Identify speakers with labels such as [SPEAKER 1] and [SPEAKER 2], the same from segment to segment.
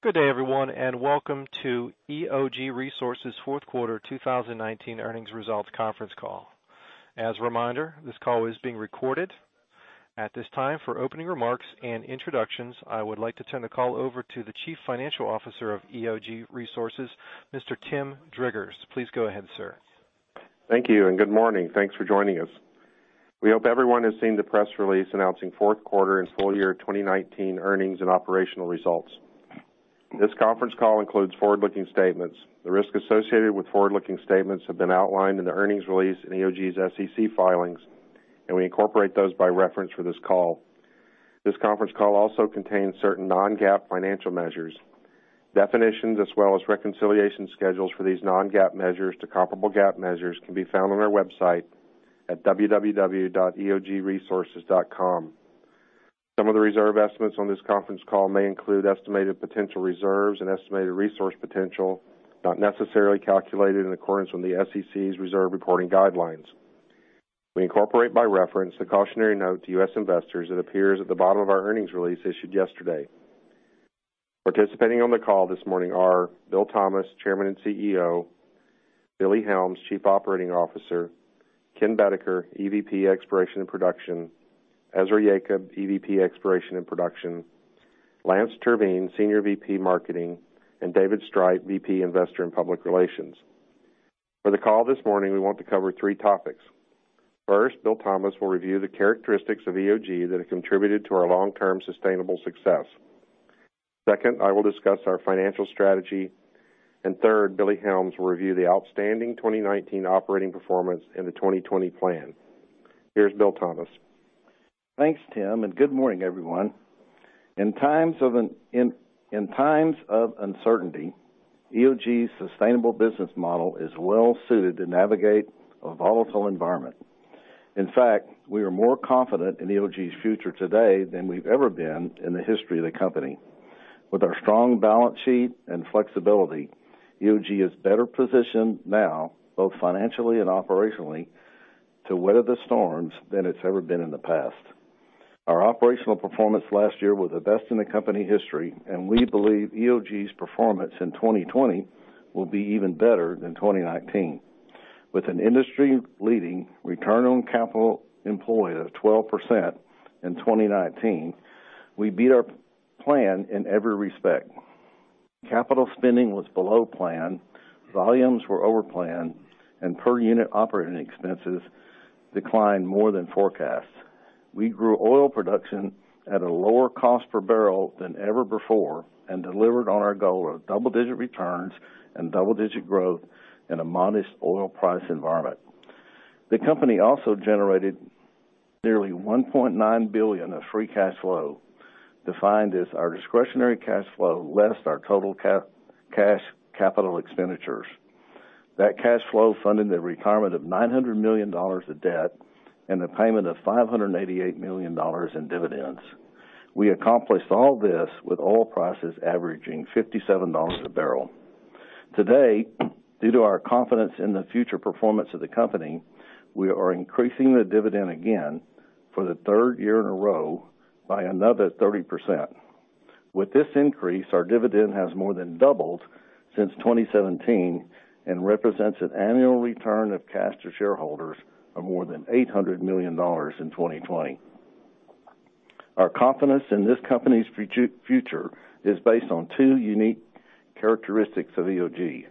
[SPEAKER 1] Good day, everyone, and welcome to EOG Resources Fourth Quarter 2019 Earnings Results Conference Call. As a reminder, this call is being recorded. At this time, for opening remarks and introductions, I would like to turn the call over to the Chief Financial Officer of EOG Resources, Mr. Tim Driggers. Please go ahead, sir.
[SPEAKER 2] Thank you. Good morning. Thanks for joining us. We hope everyone has seen the press release announcing fourth quarter and full year 2019 earnings and operational results. This conference call includes forward-looking statements. The risks associated with forward-looking statements have been outlined in the earnings release in EOG's SEC filings. We incorporate those by reference for this call. This conference call also contains certain non-GAAP financial measures. Definitions, as well as reconciliation schedules for these non-GAAP measures to comparable GAAP measures, can be found on our website at www.eogresources.com. Some of the reserve estimates on this conference call may include estimated potential reserves and estimated resource potential, not necessarily calculated in accordance with the SEC's reserve reporting guidelines. We incorporate by reference the cautionary note to U.S. investors that appears at the bottom of our earnings release issued yesterday. Participating on the call this morning are Bill Thomas, Chairman and CEO, Billy Helms, Chief Operating Officer, Ken Boedeker, EVP Exploration and Production, Ezra Yacob, EVP Exploration and Production, Lance Terveen, Senior VP Marketing, and David Streit, VP Investor and Public Relations. For the call this morning, we want to cover three topics. First, Bill Thomas will review the characteristics of EOG that have contributed to our long-term sustainable success. Second, I will discuss our financial strategy. Third, Billy Helms will review the outstanding 2019 operating performance and the 2020 plan. Here's Bill Thomas.
[SPEAKER 3] Thanks, Tim, and good morning, everyone. In times of uncertainty, EOG's sustainable business model is well suited to navigate a volatile environment. In fact, we are more confident in EOG's future today than we've ever been in the history of the company. With our strong balance sheet and flexibility, EOG is better positioned now, both financially and operationally, to weather the storms than it's ever been in the past. Our operational performance last year was the best in the company history, and we believe EOG's performance in 2020 will be even better than 2019. With an industry-leading return on capital employed of 12% in 2019, we beat our plan in every respect. Capital spending was below plan, volumes were over plan, and per unit operating expenses declined more than forecast. We grew oil production at a lower cost per barrel than ever before and delivered on our goal of double-digit returns and double-digit growth in a modest oil price environment. The company also generated nearly $1.9 billion of free cash flow, defined as our discretionary cash flow less our total cash capital expenditures. That cash flow funded the retirement of $900 million of debt and the payment of $588 million in dividends. We accomplished all this with oil prices averaging $57 a barrel. Today, due to our confidence in the future performance of the company, we are increasing the dividend again, for the third year in a row, by another 30%. With this increase, our dividend has more than doubled since 2017 and represents an annual return of cash to shareholders of more than $800 million in 2020. Our confidence in this company's future is based on two unique characteristics of EOG.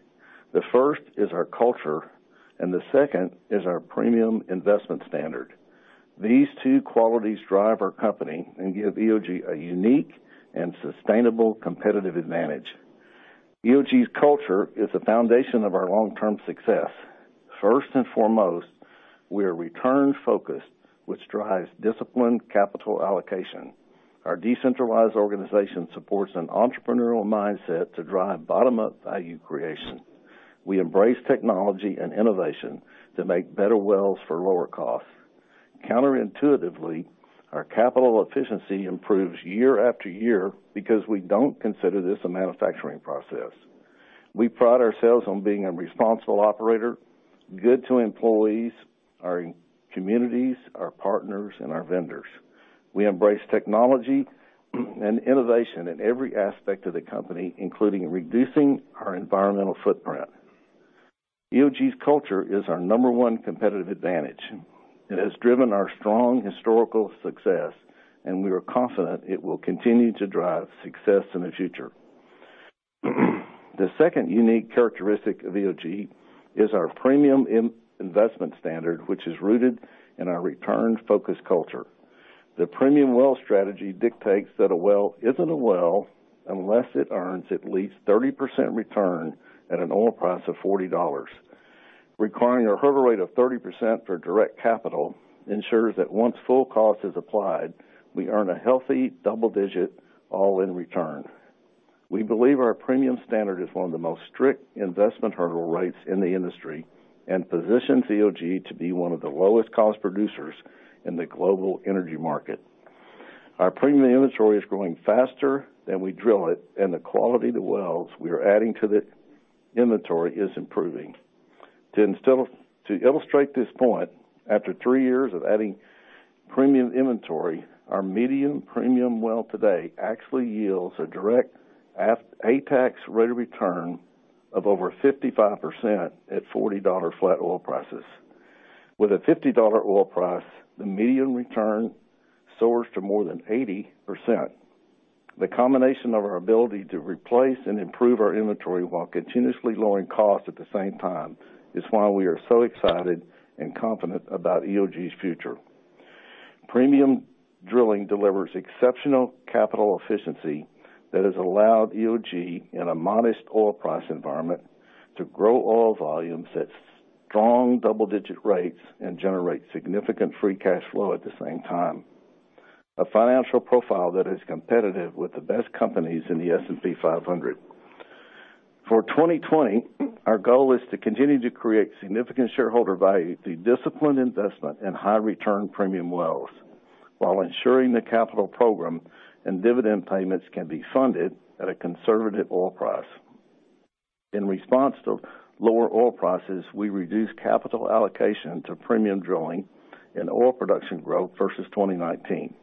[SPEAKER 3] The first is our culture, and the second is our premium investment standard. These two qualities drive our company and give EOG a unique and sustainable competitive advantage. EOG's culture is the foundation of our long-term success. First and foremost, we are return-focused, which drives disciplined capital allocation. Our decentralized organization supports an entrepreneurial mindset to drive bottom-up value creation. We embrace technology and innovation to make better wells for lower cost. Counterintuitively, our capital efficiency improves year after year because we don't consider this a manufacturing process. We pride ourselves on being a responsible operator, good to employees, our communities, our partners, and our vendors. We embrace technology and innovation in every aspect of the company, including reducing our environmental footprint. EOG's culture is our number one competitive advantage. It has driven our strong historical success, and we are confident it will continue to drive success in the future. The second unique characteristic of EOG is our premium investment standard, which is rooted in our return-focused culture. The premium well strategy dictates that a well isn't a well unless it earns at least 30% return at an oil price of $40. Requiring a hurdle rate of 30% for direct capital ensures that once full cost is applied, we earn a healthy double digit all-in return. We believe our premium standard is one of the most strict investment hurdle rates in the industry and positions EOG to be one of the lowest cost producers in the global energy market. Our premium inventory is growing faster than we drill it, and the quality of the wells we are adding to the inventory is improving. To illustrate this point, after three years of adding premium inventory, our median premium well today actually yields a direct after-tax rate of return of over 55% at $40 flat oil prices. With a $50 oil price, the median return soars to more than 80%. The combination of our ability to replace and improve our inventory while continuously lowering costs at the same time is why we are so excited and confident about EOG's future. Premium drilling delivers exceptional capital efficiency that has allowed EOG, in a modest oil price environment, to grow oil volumes at strong double-digit rates and generate significant free cash flow at the same time. A financial profile that is competitive with the best companies in the S&P 500. For 2020, our goal is to continue to create significant shareholder value through disciplined investment in high-return premium wells while ensuring the capital program and dividend payments can be funded at a conservative oil price. In response to lower oil prices, we reduced capital allocation to premium drilling and oil production growth versus 2019.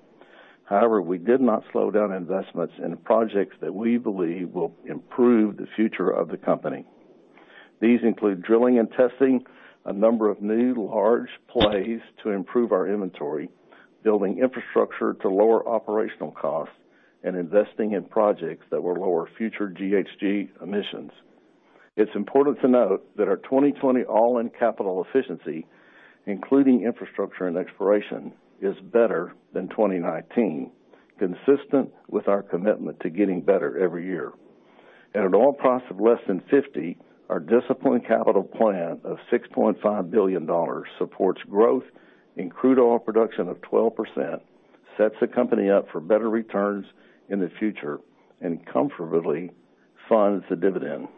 [SPEAKER 3] We did not slow down investments in projects that we believe will improve the future of the company. These include drilling and testing a number of new large plays to improve our inventory, building infrastructure to lower operational costs, and investing in projects that will lower future GHG emissions. It's important to note that our 2020 all-in capital efficiency, including infrastructure and exploration, is better than 2019, consistent with our commitment to getting better every year. At an oil price of less than $50, our disciplined capital plan of $6.5 billion supports growth in crude oil production of 12%, sets the company up for better returns in the future, comfortably funds the dividend.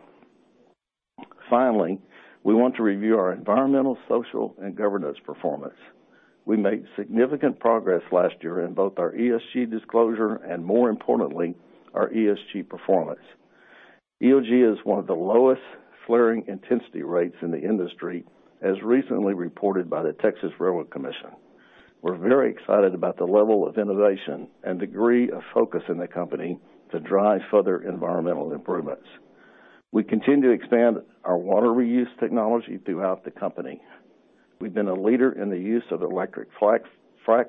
[SPEAKER 3] Finally, we want to review our environmental, social, and governance performance. We made significant progress last year in both our ESG disclosure and, more importantly, our ESG performance. EOG has one of the lowest flaring intensity rates in the industry, as recently reported by the Texas Railroad Commission. We're very excited about the level of innovation and degree of focus in the company to drive further environmental improvements. We continue to expand our water reuse technology throughout the company. We've been a leader in the use of electric frac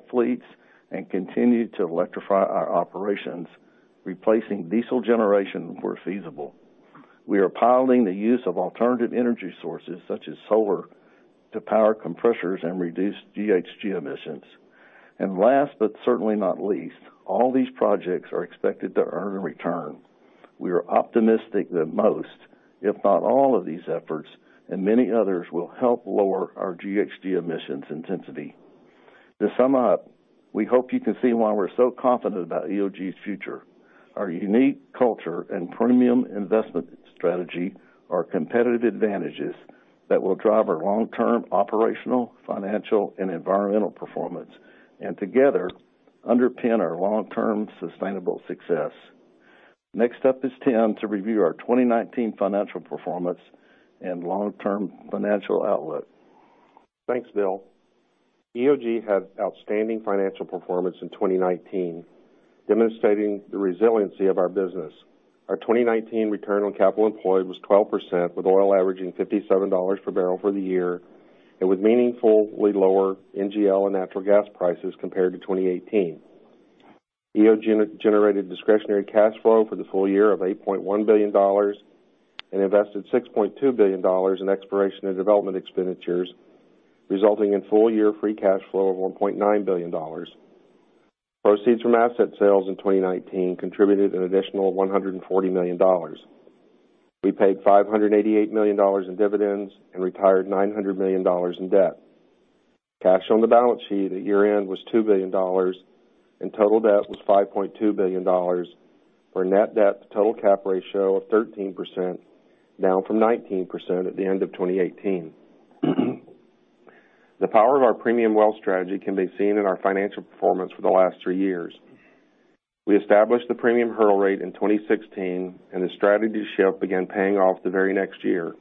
[SPEAKER 3] fleets and continue to electrify our operations, replacing diesel generation where feasible. We are piloting the use of alternative energy sources, such as solar, to power compressors and reduce GHG emissions. Last, but certainly not least, all these projects are expected to earn a return. We are optimistic that most, if not all of these efforts, and many others, will help lower our GHG emissions intensity. To sum up, we hope you can see why we're so confident about EOG's future. Our unique culture and premium investment strategy are competitive advantages that will drive our long-term operational, financial, and environmental performance, and together underpin our long-term sustainable success. Next up is Tim to review our 2019 financial performance and long-term financial outlook.
[SPEAKER 2] Thanks, Bill. EOG had outstanding financial performance in 2019, demonstrating the resiliency of our business. Our 2019 return on capital employed was 12%, with oil averaging $57 per barrel for the year, and with meaningfully lower NGL and natural gas prices compared to 2018. EOG generated discretionary cash flow for the full year of $8.1 billion and invested $6.2 billion in exploration and development expenditures, resulting in full-year free cash flow of $1.9 billion. Proceeds from asset sales in 2019 contributed an additional $140 million. We paid $588 million in dividends and retired $900 million in debt. Cash on the balance sheet at year-end was $2 billion, and total debt was $5.2 billion, for a net debt to total cap ratio of 13%, down from 19% at the end of 2018. The power of our premium well strategy can be seen in our financial performance for the last three years. We established the premium hurdle rate in 2016, and the strategy shift began paying off the very next year.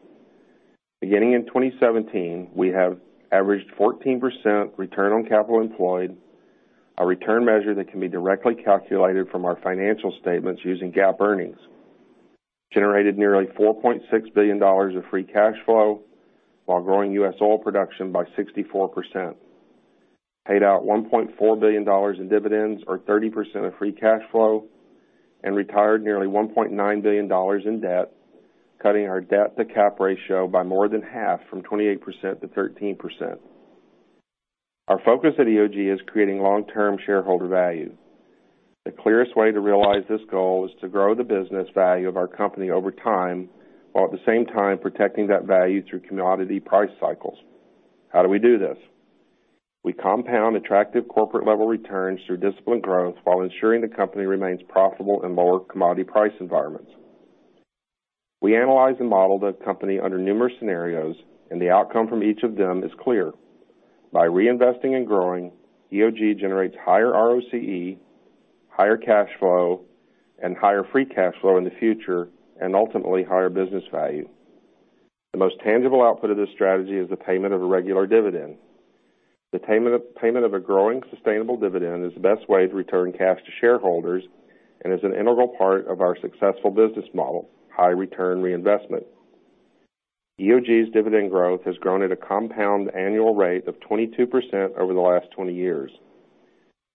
[SPEAKER 2] Beginning in 2017, we have averaged 14% return on capital employed, a return measure that can be directly calculated from our financial statements using GAAP earnings, generated nearly $4.6 billion of free cash flow while growing U.S. oil production by 64%, paid out $1.4 billion in dividends, or 30% of free cash flow, and retired nearly $1.9 billion in debt, cutting our debt-to-cap ratio by more than half from 28% to 13%. Our focus at EOG is creating long-term shareholder value. The clearest way to realize this goal is to grow the business value of our company over time, while at the same time protecting that value through commodity price cycles. How do we do this? We compound attractive corporate-level returns through disciplined growth while ensuring the company remains profitable in lower commodity price environments. We analyze and model the company under numerous scenarios, and the outcome from each of them is clear. By reinvesting and growing, EOG generates higher ROCE, higher cash flow and higher free cash flow in the future, and ultimately, higher business value. The most tangible output of this strategy is the payment of a regular dividend. The payment of a growing sustainable dividend is the best way to return cash to shareholders and is an integral part of our successful business model, high return reinvestment. EOG's dividend growth has grown at a compound annual rate of 22% over the last 20 years.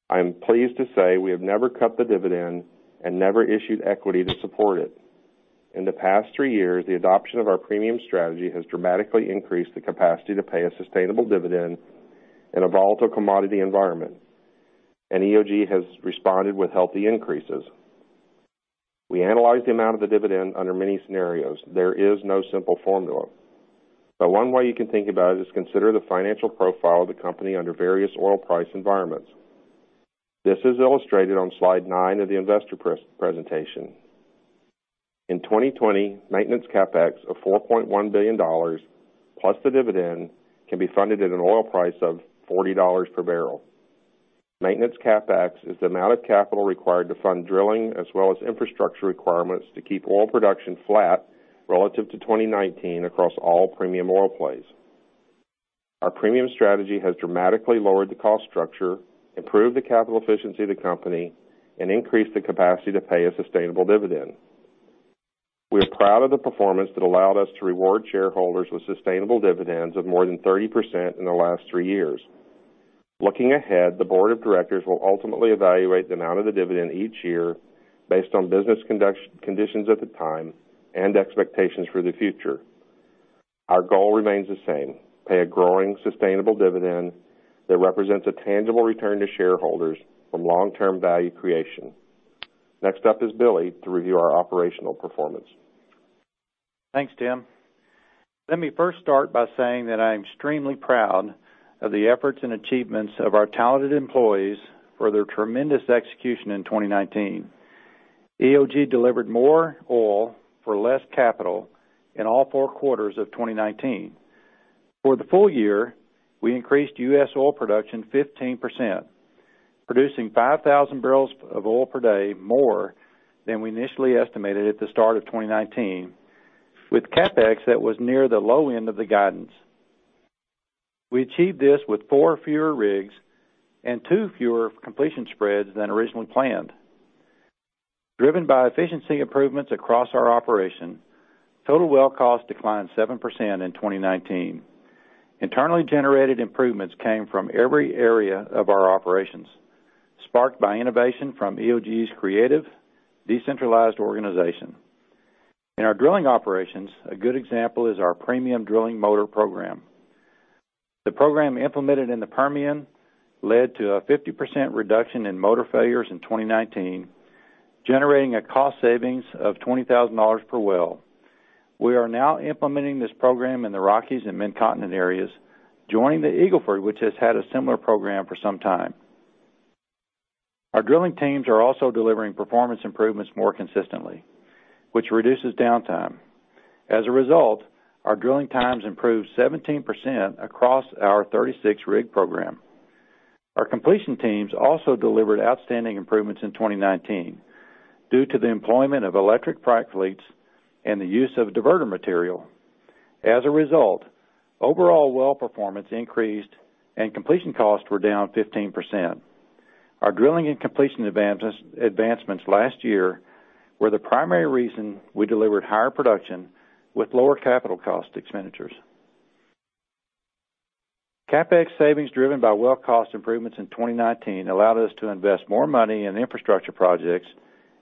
[SPEAKER 2] I am pleased to say we have never cut the dividend and never issued equity to support it. In the past three years, the adoption of our premium strategy has dramatically increased the capacity to pay a sustainable dividend in a volatile commodity environment, and EOG has responded with healthy increases. We analyze the amount of the dividend under many scenarios. There is no simple formula. One way you can think about it is consider the financial profile of the company under various oil price environments. This is illustrated on slide nine of the investor presentation. In 2020, maintenance CapEx of $4.1 billion, plus the dividend, can be funded at an oil price of $40 per barrel. Maintenance CapEx is the amount of capital required to fund drilling as well as infrastructure requirements to keep oil production flat relative to 2019 across all premium oil plays. Our premium strategy has dramatically lowered the cost structure, improved the capital efficiency of the company, and increased the capacity to pay a sustainable dividend. We are proud of the performance that allowed us to reward shareholders with sustainable dividends of more than 30% in the last three years. Looking ahead, the board of directors will ultimately evaluate the amount of the dividend each year based on business conditions at the time and expectations for the future. Our goal remains the same, pay a growing sustainable dividend that represents a tangible return to shareholders from long-term value creation. Next up is Billy to review our operational performance.
[SPEAKER 4] Thanks, Tim. Let me first start by saying that I am extremely proud of the efforts and achievements of our talented employees for their tremendous execution in 2019. EOG delivered more oil for less capital in all four quarters of 2019. For the full year, we increased U.S. oil production 15%, producing 5,000 barrels of oil per day more than we initially estimated at the start of 2019, with CapEx that was near the low end of the guidance. We achieved this with four fewer rigs and two fewer completion spreads than originally planned. Driven by efficiency improvements across our operation, total well cost declined 7% in 2019. Internally generated improvements came from every area of our operations, sparked by innovation from EOG's creative decentralized organization. In our drilling operations, a good example is our premium drilling motor program. The program implemented in the Permian led to a 50% reduction in motor failures in 2019, generating a cost savings of $20,000 per well. We are now implementing this program in the Rockies and Midcontinent areas, joining the Eagle Ford, which has had a similar program for some time. Our drilling teams are also delivering performance improvements more consistently, which reduces downtime. As a result, our drilling times improved 17% across our 36-rig program. Our completion teams also delivered outstanding improvements in 2019 due to the employment of electric frac fleets and the use of diverter material. As a result, overall well performance increased and completion costs were down 15%. Our drilling and completion advancements last year were the primary reason we delivered higher production with lower capital cost expenditures. CapEx savings driven by well cost improvements in 2019 allowed us to invest more money in infrastructure projects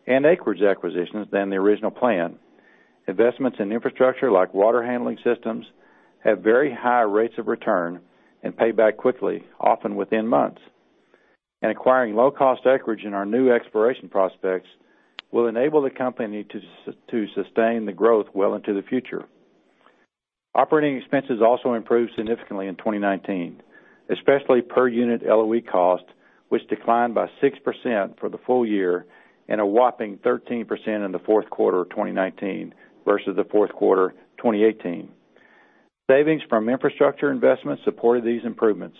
[SPEAKER 4] and acreage acquisitions than the original plan. Investments in infrastructure like water handling systems have very high rates of return and pay back quickly, often within months. Acquiring low-cost acreage in our new exploration prospects will enable the company to sustain the growth well into the future. Operating expenses also improved significantly in 2019, especially per unit LOE cost, which declined by 6% for the full year and a whopping 13% in the fourth quarter of 2019 versus the fourth quarter 2018. Savings from infrastructure investments supported these improvements.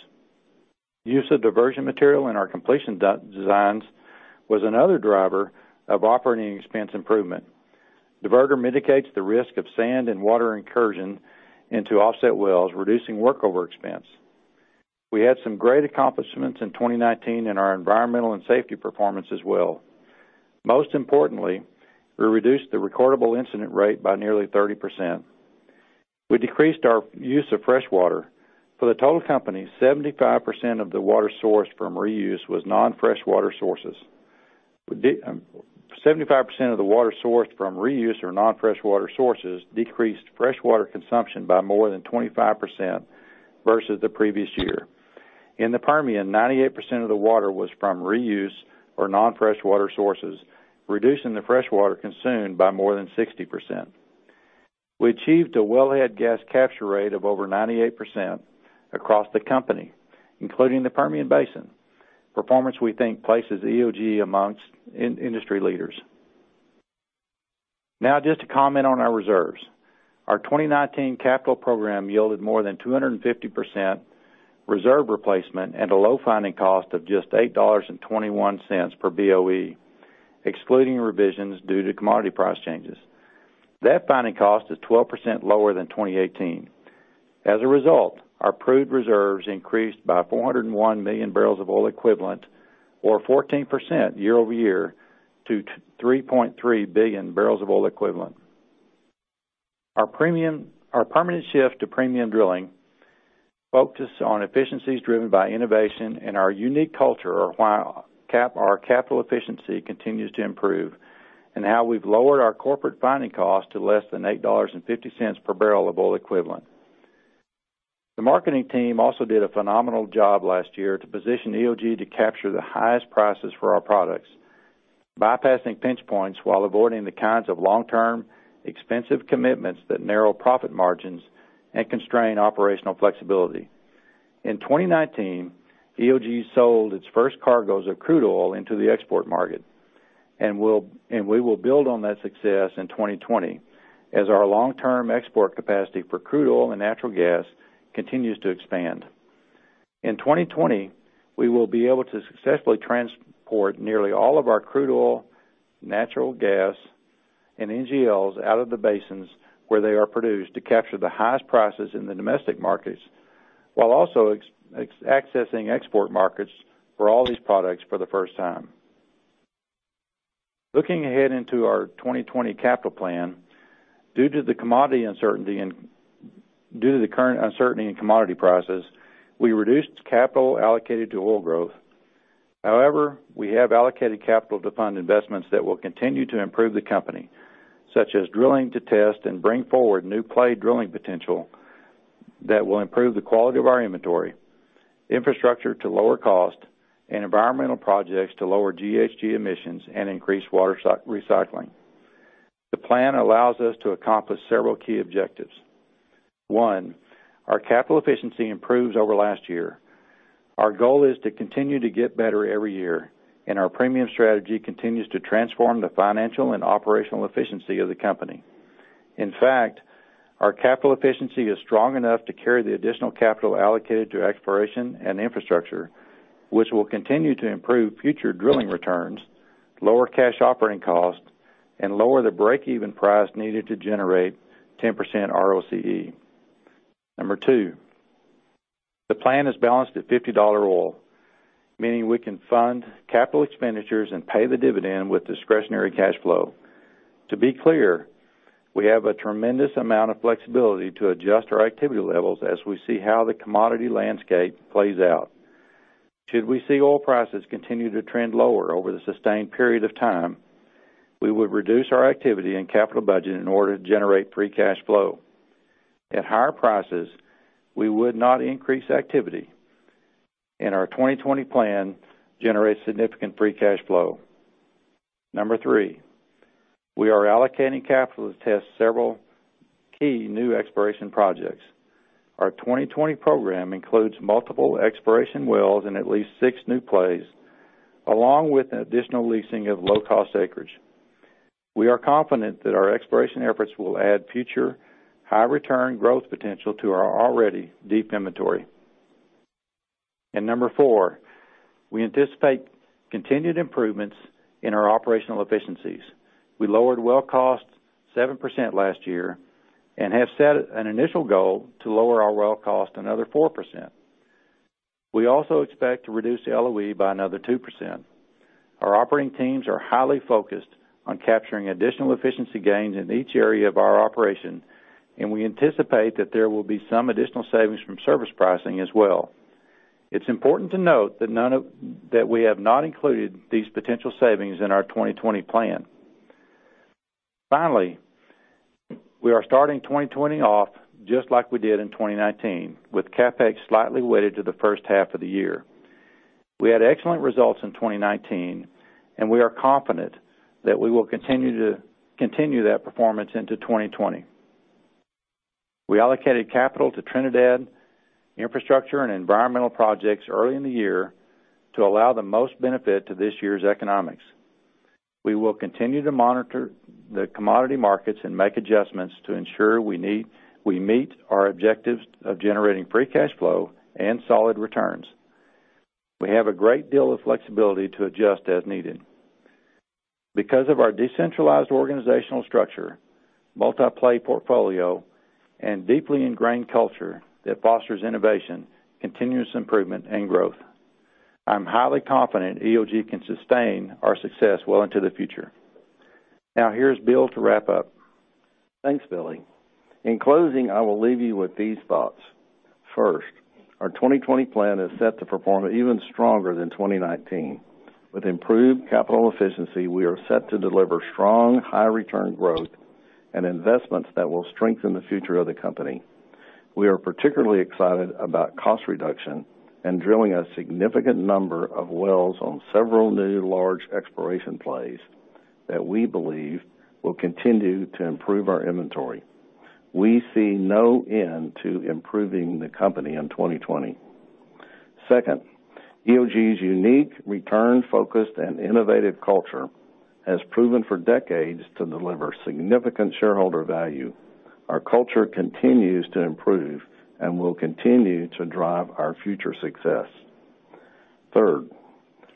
[SPEAKER 4] Use of diversion material in our completion designs was another driver of operating expense improvement. Diverter mitigates the risk of sand and water incursion into offset wells, reducing workover expense. We had some great accomplishments in 2019 in our environmental and safety performance as well. Most importantly, we reduced the recordable incident rate by nearly 30%. We decreased our use of fresh water. For the total company, 75% of the water sourced from reuse was non-freshwater sources. 75% of the water sourced from reuse or non-freshwater sources decreased freshwater consumption by more than 25% versus the previous year. In the Permian, 98% of the water was from reuse or non-freshwater sources, reducing the freshwater consumed by more than 60%. We achieved a wellhead gas capture rate of over 98% across the company, including the Permian Basin. Performance we think places EOG amongst industry leaders. Now just to comment on our reserves. Our 2019 capital program yielded more than 250% reserve replacement at a low finding cost of just $8.21 per BOE, excluding revisions due to commodity price changes. That finding cost is 12% lower than 2018. As a result, our proved reserves increased by 401 million barrels of oil equivalent, or 14% year-over-year, to 3.3 billion barrels of oil equivalent. Our permanent shift to premium drilling, focus on efficiencies driven by innovation and our unique culture are why our capital efficiency continues to improve, and how we've lowered our corporate finding cost to less than $8.50 per barrel of oil equivalent. The marketing team also did a phenomenal job last year to position EOG to capture the highest prices for our products, bypassing pinch points while avoiding the kinds of long-term, expensive commitments that narrow profit margins and constrain operational flexibility. In 2019, EOG sold its first cargoes of crude oil into the export market, and we will build on that success in 2020 as our long-term export capacity for crude oil and natural gas continues to expand. In 2020, we will be able to successfully transport nearly all of our crude oil, natural gas, and NGLs out of the basins where they are produced to capture the highest prices in the domestic markets, while also accessing export markets for all these products for the first time. Looking ahead into our 2020 capital plan, due to the current uncertainty in commodity prices, we reduced capital allocated to oil growth. However, we have allocated capital to fund investments that will continue to improve the company, such as drilling to test and bring forward new play drilling potential that will improve the quality of our inventory, infrastructure to lower cost, and environmental projects to lower GHG emissions and increase water recycling. The plan allows us to accomplish several key objectives. One, our capital efficiency improves over last year. Our goal is to continue to get better every year, and our premium strategy continues to transform the financial and operational efficiency of the company. In fact, our capital efficiency is strong enough to carry the additional capital allocated to exploration and infrastructure, which will continue to improve future drilling returns, lower cash operating costs, and lower the break-even price needed to generate 10% ROCE. Number two, the plan is balanced at $50 oil, meaning we can fund capital expenditures and pay the dividend with discretionary cash flow. To be clear, we have a tremendous amount of flexibility to adjust our activity levels as we see how the commodity landscape plays out. Should we see oil prices continue to trend lower over the sustained period of time, we would reduce our activity and capital budget in order to generate free cash flow. At higher prices, we would not increase activity, and our 2020 plan generates significant free cash flow. Number three, we are allocating capital to test several key new exploration projects. Our 2020 program includes multiple exploration wells in at least six new plays, along with an additional leasing of low-cost acreage. We are confident that our exploration efforts will add future high-return growth potential to our already deep inventory. Number four, we anticipate continued improvements in our operational efficiencies. We lowered well cost 7% last year and have set an initial goal to lower our well cost another 4%. We also expect to reduce LOE by another 2%. Our operating teams are highly focused on capturing additional efficiency gains in each area of our operation, and we anticipate that there will be some additional savings from service pricing as well. It's important to note that we have not included these potential savings in our 2020 plan. Finally, we are starting 2020 off just like we did in 2019, with CapEx slightly weighted to the first half of the year. We had excellent results in 2019, and we are confident that we will continue that performance into 2020. We allocated capital to Trinidad infrastructure and environmental projects early in the year to allow the most benefit to this year's economics. We will continue to monitor the commodity markets and make adjustments to ensure we meet our objectives of generating free cash flow and solid returns. We have a great deal of flexibility to adjust as needed. Because of our decentralized organizational structure, multi-play portfolio, and deeply ingrained culture that fosters innovation, continuous improvement, and growth, I'm highly confident EOG can sustain our success well into the future. Now here's Bill to wrap up.
[SPEAKER 3] Thanks, Billy. In closing, I will leave you with these thoughts. First, our 2020 plan is set to perform even stronger than 2019. With improved capital efficiency, we are set to deliver strong, high-return growth and investments that will strengthen the future of the company. We are particularly excited about cost reduction and drilling a significant number of wells on several new, large exploration plays that we believe will continue to improve our inventory. We see no end to improving the company in 2020. Second, EOG's unique return-focused and innovative culture has proven for decades to deliver significant shareholder value. Our culture continues to improve and will continue to drive our future success. Third,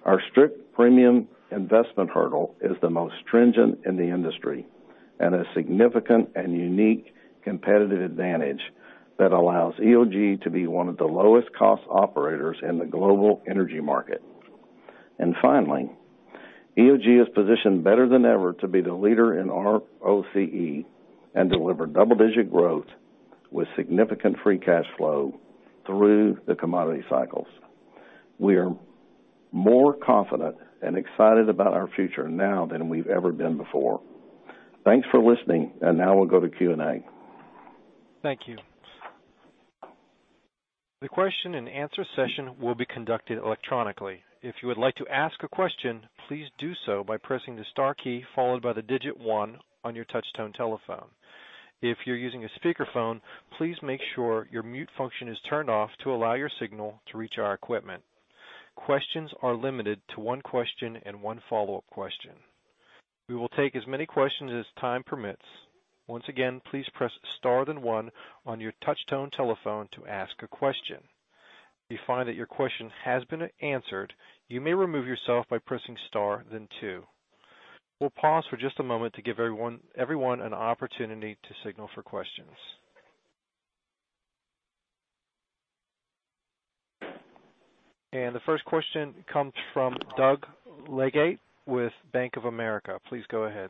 [SPEAKER 3] our strict premium investment hurdle is the most stringent in the industry and a significant and unique competitive advantage that allows EOG to be one of the lowest cost operators in the global energy market. Finally, EOG is positioned better than ever to be the leader in ROCE and deliver double-digit growth with significant free cash flow through the commodity cycles. We are more confident and excited about our future now than we've ever been before. Thanks for listening. Now we'll go to Q&A.
[SPEAKER 1] Thank you. The question-and-answer session will be conducted electronically. If you would like to ask a question, please do so by pressing the star key followed by the digit one on your touch-tone telephone. If you're using a speakerphone, please make sure your mute function is turned off to allow your signal to reach our equipment. Questions are limited to one question and one follow-up question. We will take as many questions as time permits. Once again, please press star then one on your touch-tone telephone to ask a question. If you find that your question has been answered, you may remove yourself by pressing star then two. We'll pause for just a moment to give everyone an opportunity to signal for questions. The first question comes from Doug Leggate with Bank of America. Please go ahead.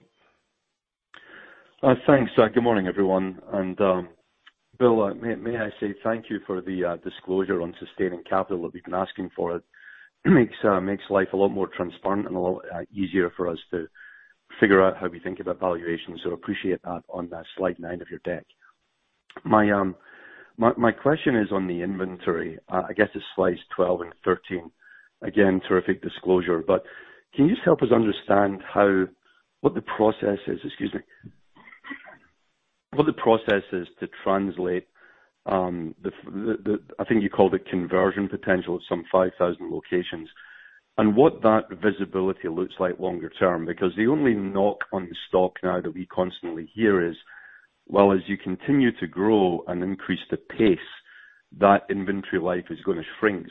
[SPEAKER 5] Thanks. Good morning, everyone. Bill, may I say thank you for the disclosure on sustaining capital that we've been asking for. It makes life a lot more transparent and a lot easier for us to figure out how we think about valuations, appreciate that on slide nine of your deck. My question is on the inventory. I guess it's slides 12 and 13. Again, terrific disclosure, can you just help us understand what the process is to translate the, I think you call it the conversion potential of some 5,000 locations, and what that visibility looks like longer term? The only knock on the stock now that we constantly hear is, well, as you continue to grow and increase the pace, that inventory life is going to shrink.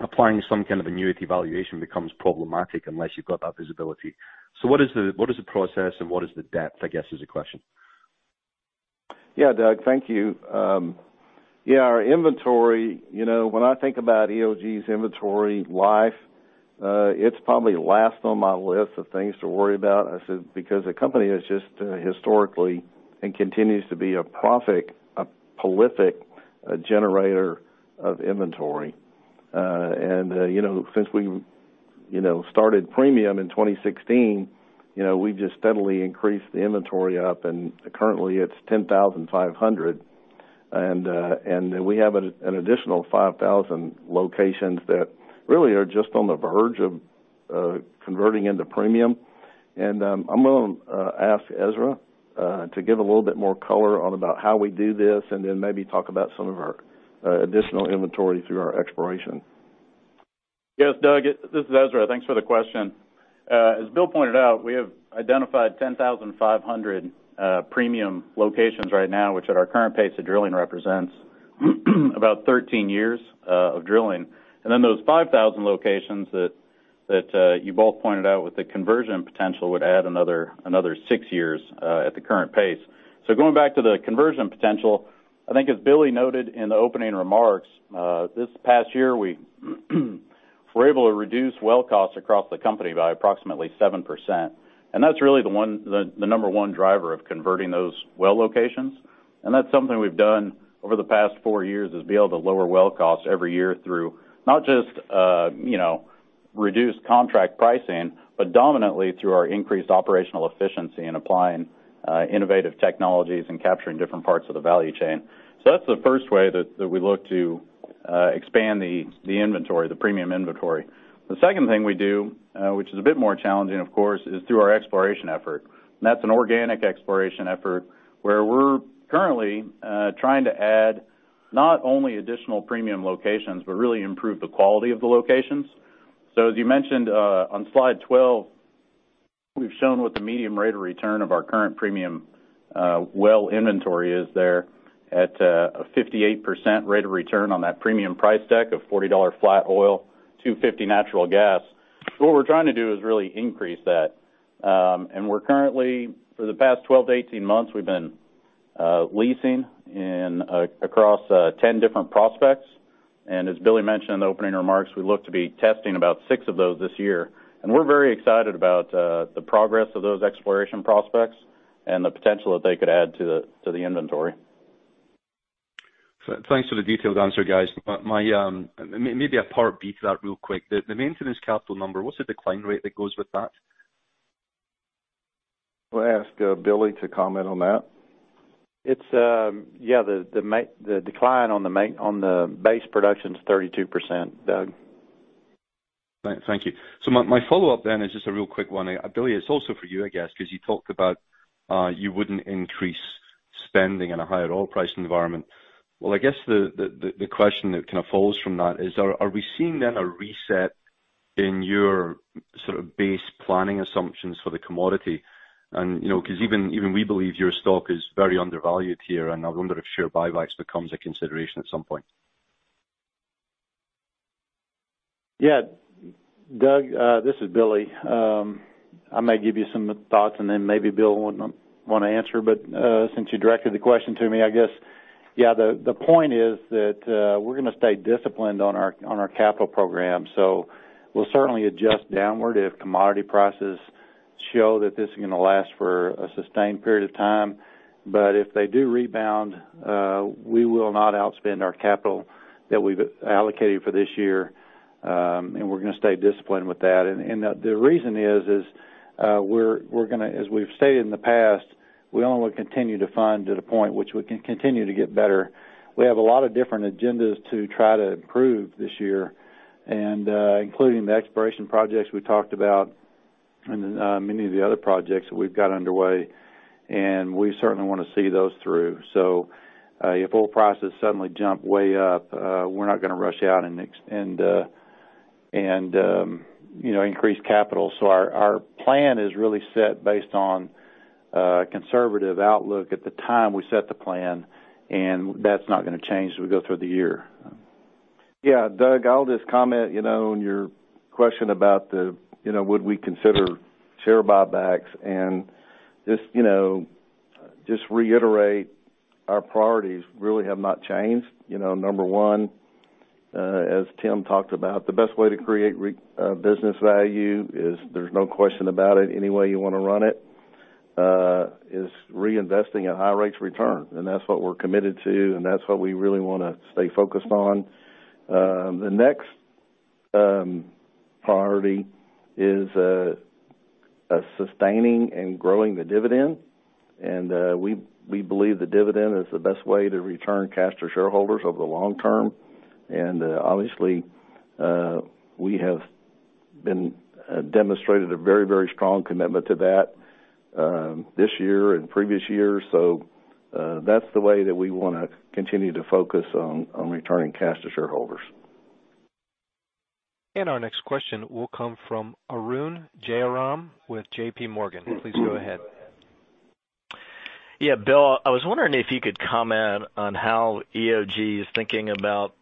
[SPEAKER 5] Applying some kind of annuity valuation becomes problematic unless you've got that visibility. What is the process and what is the depth, I guess, is the question.
[SPEAKER 3] Yeah, Doug, thank you. Our inventory, when I think about EOG's inventory life, it's probably last on my list of things to worry about because the company has just historically, and continues to be, a prolific generator of inventory. Since we started premium in 2016, we've just steadily increased the inventory up, and currently it's 10,500. We have an additional 5,000 locations that really are just on the verge of converting into premium. I'm going to ask Ezra to give a little bit more color on about how we do this, and then maybe talk about some of our additional inventory through our exploration.
[SPEAKER 6] Yes, Doug, this is Ezra. Thanks for the question. As Bill pointed out, we have identified 10,500 premium locations right now, which at our current pace of drilling represents about 13 years of drilling. Those 5,000 locations that you both pointed out with the conversion potential would add another six years at the current pace. Going back to the conversion potential, I think as Billy noted in the opening remarks, this past year, we were able to reduce well costs across the company by approximately 7%. That's really the number one driver of converting those well locations. That's something we've done over the past four years, is be able to lower well costs every year through not just reduce contract pricing, but dominantly through our increased operational efficiency in applying innovative technologies and capturing different parts of the value chain. That's the first way that we look to expand the premium inventory. The second thing we do, which is a bit more challenging, of course, is through our exploration effort. That's an organic exploration effort where we're currently trying to add not only additional premium locations, but really improve the quality of the locations. As you mentioned on slide 12, we've shown what the medium rate of return of our current premium well inventory is there at a 58% rate of return on that premium price deck of $40 flat oil, $250 natural gas. What we're trying to do is really increase that. We're currently, for the past 12-18 months, we've been leasing across 10 different prospects. As Billy mentioned in the opening remarks, we look to be testing about six of those this year. We're very excited about the progress of those exploration prospects and the potential that they could add to the inventory.
[SPEAKER 5] Thanks for the detailed answer, guys. Maybe a part B to that real quick. The maintenance capital number, what's the decline rate that goes with that?
[SPEAKER 3] We'll ask Billy to comment on that.
[SPEAKER 4] The decline on the base production's 32%, Doug.
[SPEAKER 5] Thank you. My follow-up then is just a real quick one. Billy, it's also for you, I guess, because you talked about you wouldn't increase spending in a higher oil price environment. I guess the question that kind of follows from that is, are we seeing then a reset in your sort of base planning assumptions for the commodity? Because even we believe your stock is very undervalued here, and I wonder if share buybacks becomes a consideration at some point.
[SPEAKER 4] Doug, this is Billy. I may give you some thoughts then maybe Bill would want to answer. Since you directed the question to me, I guess the point is that we're going to stay disciplined on our capital program. We'll certainly adjust downward if commodity prices show that this is going to last for a sustained period of time. If they do rebound, we will not outspend our capital that we've allocated for this year. We're going to stay disciplined with that. The reason is, as we've stated in the past, we only continue to fund to the point which we can continue to get better. We have a lot of different agendas to try to improve this year, including the exploration projects we talked about and many of the other projects that we've got underway. We certainly want to see those through. If oil prices suddenly jump way up, we're not going to rush out and increase capital. Our plan is really set based on a conservative outlook at the time we set the plan, and that's not going to change as we go through the year.
[SPEAKER 3] Yeah. Doug, I'll just comment on your question about would we consider share buybacks, and just reiterate our priorities really have not changed. Number one, as Tim talked about, the best way to create business value is there's no question about it, any way you want to run it, is reinvesting at high rates of return. That's what we're committed to, and that's what we really want to stay focused on. The next priority is sustaining and growing the dividend. We believe the dividend is the best way to return cash to shareholders over the long term. Obviously, we have demonstrated a very strong commitment to that this year and previous years. That's the way that we want to continue to focus on returning cash to shareholders.
[SPEAKER 1] Our next question will come from Arun Jayaram with JPMorgan. Please go ahead.
[SPEAKER 7] Yeah. Bill, I was wondering if you could comment on how EOG is thinking about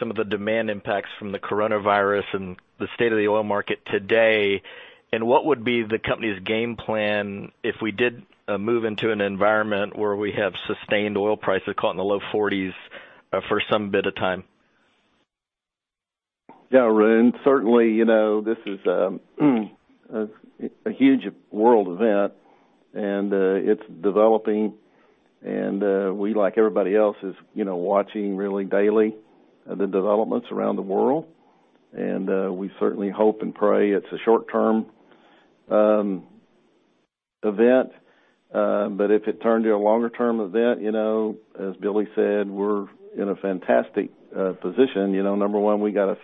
[SPEAKER 7] some of the demand impacts from the coronavirus and the state of the oil market today, and what would be the company's game plan if we did move into an environment where we have sustained oil prices caught in the low 40s for some bit of time?
[SPEAKER 3] Yeah, Arun. Certainly, this is a huge world event, it's developing, and we, like everybody else, is watching really daily the developments around the world. We certainly hope and pray it's a short-term event. If it turned to a longer-term event, as Billy said, we're in a fantastic position. Number one, we got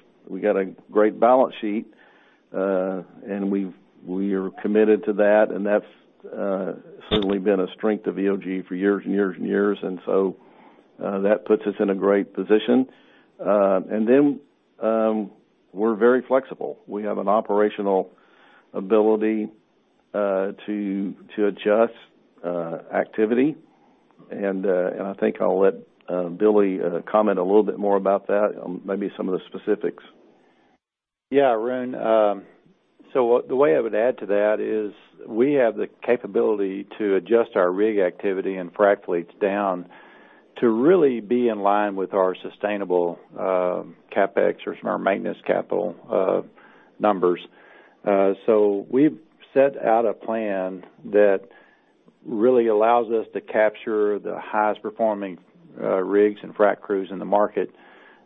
[SPEAKER 3] a great balance sheet, we are committed to that's certainly been a strength of EOG for years and years. That puts us in a great position. We're very flexible. We have an operational ability to adjust activity. I think I'll let Billy comment a little bit more about that, maybe some of the specifics.
[SPEAKER 4] Arun, the way I would add to that is we have the capability to adjust our rig activity and frac fleets down to really be in line with our sustainable CapEx or our maintenance capital numbers. We've set out a plan that really allows us to capture the highest performing rigs and frac crews in the market,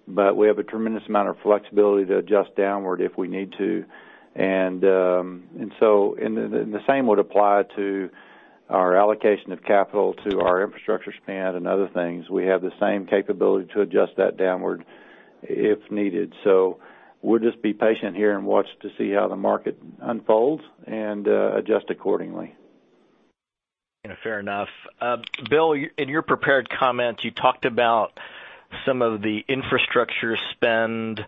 [SPEAKER 4] but we have a tremendous amount of flexibility to adjust downward if we need to. The same would apply to our allocation of capital to our infrastructure spend and other things. We have the same capability to adjust that downward if needed. We'll just be patient here and watch to see how the market unfolds and adjust accordingly.
[SPEAKER 7] Fair enough. Bill, in your prepared comments, you talked about some of the infrastructure spend,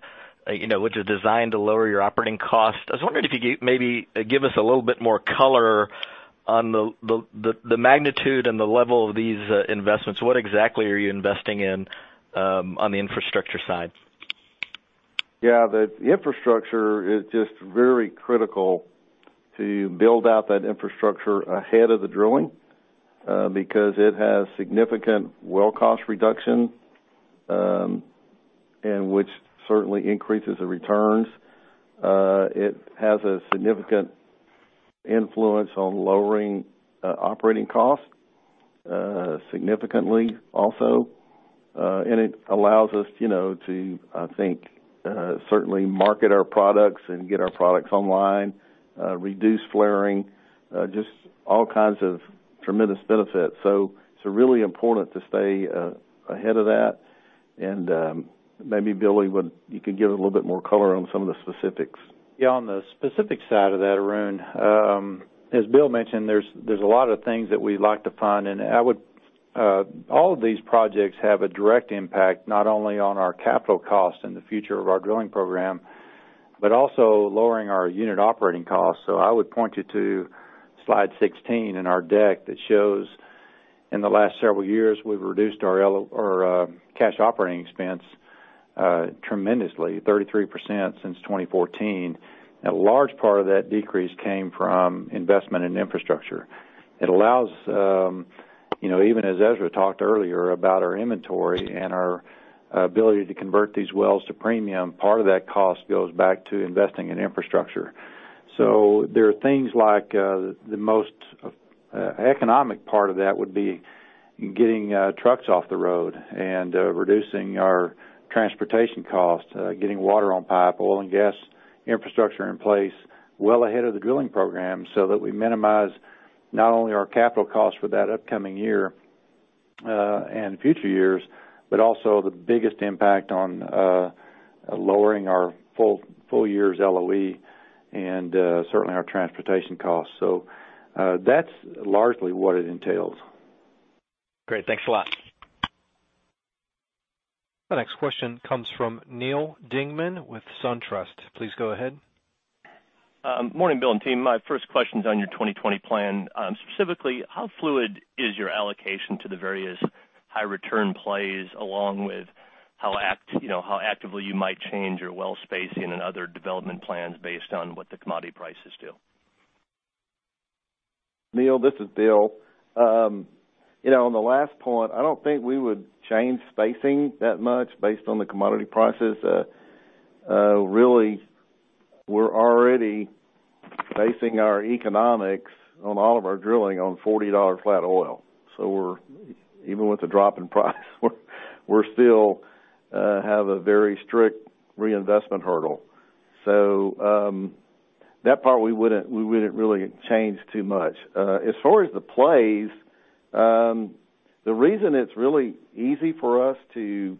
[SPEAKER 7] which is designed to lower your operating cost. I was wondering if you could maybe give us a little bit more color on the magnitude and the level of these investments. What exactly are you investing in on the infrastructure side?
[SPEAKER 3] Yeah. The infrastructure is just very critical to build out that infrastructure ahead of the drilling, because it has significant well cost reduction, and which certainly increases the returns. It has a significant influence on lowering operating costs significantly also. It allows us to, I think, certainly market our products and get our products online, reduce flaring, just all kinds of. Tremendous benefit. It's really important to stay ahead of that. Maybe Billy, you could give it a little bit more color on some of the specifics.
[SPEAKER 4] Yeah. On the specific side of that, Arun, as Bill mentioned, there's a lot of things that we'd like to fund, and all of these projects have a direct impact, not only on our capital costs and the future of our drilling program, but also lowering our unit operating costs. I would point you to slide 16 in our deck that shows in the last several years, we've reduced our cash operating expense tremendously, 33% since 2014. A large part of that decrease came from investment in infrastructure. It allows, even as Ezra talked earlier about our inventory and our ability to convert these wells to premium, part of that cost goes back to investing in infrastructure. There are things like, the most economic part of that would be getting trucks off the road and reducing our transportation costs, getting water on pipe, oil and gas infrastructure in place well ahead of the drilling program, so that we minimize not only our capital costs for that upcoming year, and future years, but also the biggest impact on lowering our full year's LOE and certainly our transportation costs. That's largely what it entails.
[SPEAKER 7] Great. Thanks a lot.
[SPEAKER 1] The next question comes from Neal Dingmann with SunTrust. Please go ahead.
[SPEAKER 8] Morning, Bill and team. My first question's on your 2020 plan. Specifically, how fluid is your allocation to the various high return plays, along with how actively you might change your well spacing and other development plans based on what the commodity prices do?
[SPEAKER 3] Neal, this is Bill. On the last point, I don't think we would change spacing that much based on the commodity prices. Really, we're already basing our economics on all of our drilling on $40 flat oil. Even with the drop in price, we still have a very strict reinvestment hurdle. That part we wouldn't really change too much. As far as the plays, the reason it's really easy for us to,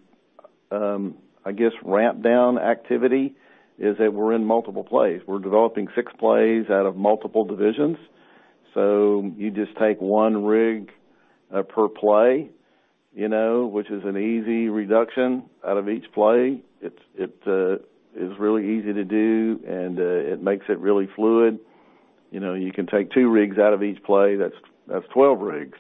[SPEAKER 3] I guess, ramp down activity is that we're in multiple plays. We're developing six plays out of multiple divisions. You just take one rig per play, which is an easy reduction out of each play. It's really easy to do, and it makes it really fluid. You can take two rigs out of each play, that's 12 rigs.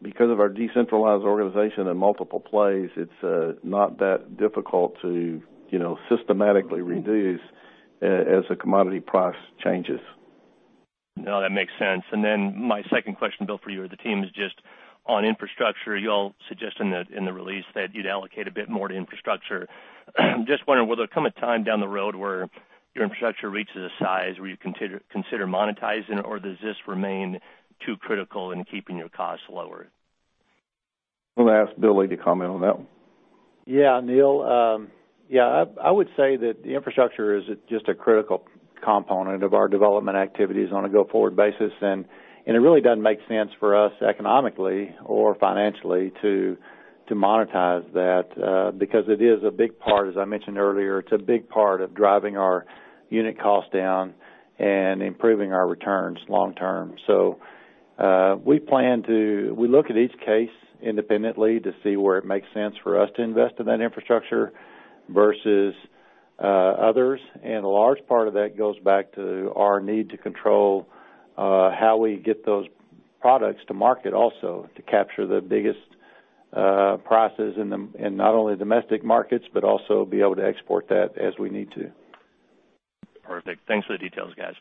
[SPEAKER 3] Because of our decentralized organization and multiple plays, it's not that difficult to systematically reduce as the commodity price changes.
[SPEAKER 8] No, that makes sense. My second question, Bill, for you or the team, is just on infrastructure. You all suggested in the release that you'd allocate a bit more to infrastructure. Just wondering, will there come a time down the road where your infrastructure reaches a size where you'd consider monetizing, or does this remain too critical in keeping your costs lower?
[SPEAKER 3] I'm going to ask Billy to comment on that one.
[SPEAKER 4] Yeah. Neal, I would say that the infrastructure is just a critical component of our development activities on a go-forward basis, and it really doesn't make sense for us economically or financially to monetize that, because it is a big part, as I mentioned earlier, it's a big part of driving our unit costs down and improving our returns long term. We look at each case independently to see where it makes sense for us to invest in that infrastructure versus others, and a large part of that goes back to our need to control how we get those products to market also, to capture the biggest prices in not only domestic markets, but also be able to export that as we need to.
[SPEAKER 8] Perfect. Thanks for the details, guys.